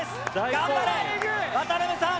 頑張れ渡邊さん